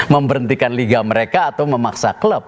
memberhentikan liga mereka atau memaksa klub